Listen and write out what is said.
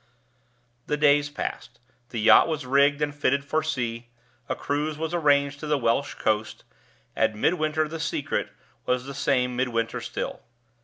The days passed; the yacht was rigged and fitted for sea; a cruise was arranged to the Welsh coast and Midwinter the Secret was the same Midwinter still.